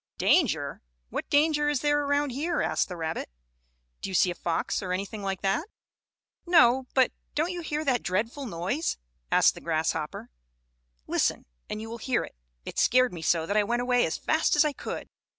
"Danger? What danger is there around here?" asked the rabbit. "Do you see a fox, or anything like that?" "No, but don't you hear that dreadful noise?" asked the grasshopper. "Listen, and you will hear it. It scared me so that I went away as fast as I could."